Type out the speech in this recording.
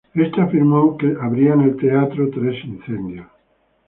Este afirmó que tres incendios se darían en el teatro.